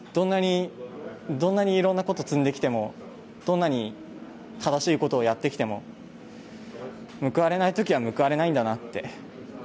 どんなにいろんなこと積んできてもどんなに正しいことをやってきても報われないときは報われないんだなって。